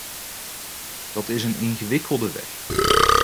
Dat is een ingewikkelde weg.